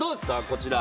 こちら。